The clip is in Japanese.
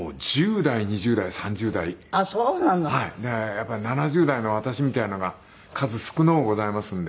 やっぱり７０代の私みたいなのが数少のうございますんで。